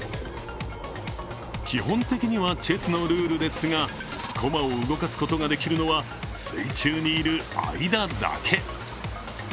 基本的にはチェスのルールですが駒を動かすことができるのは水中にいる間だけ。